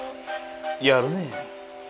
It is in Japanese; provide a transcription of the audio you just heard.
やるねえ。